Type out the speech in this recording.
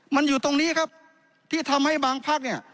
มันอยู่ตรงนี้ครับที่ทำให้บางพักเนี่ย